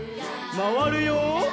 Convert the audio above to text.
まわるよ。